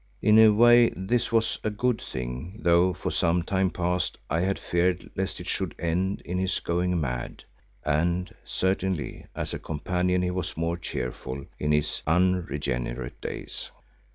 In a way this was a good thing though for some time past I had feared lest it should end in his going mad, and certainly as a companion he was more cheerful in his unregenerate days.